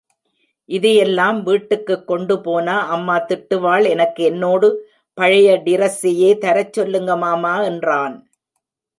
இதையெல்லாம் வீட்டுக்குக் கொண்டு போனா அம்மா திட்டுவாள் எனக்கு என்னோடு பழைய டிரஸ்ஸையே தரச் சொல்லுங்க மாமா என்றான்.